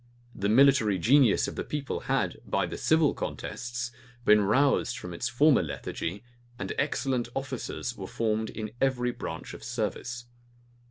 The military genius of the people had, by the civil contests, been roused from its former lethargy; and excellent officers were formed in every branch of service.